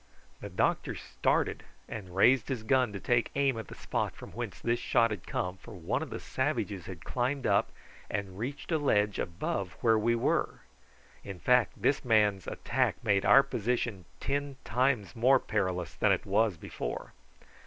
The doctor started and raised his gun to take aim at the spot from whence this shot had come, for one of the savages had climbed up and reached a ledge above where we were. In fact this man's attack made our position ten times more perilous than it was before.